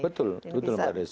betul betul mbak desi